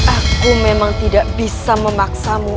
aku memang tidak bisa memaksamu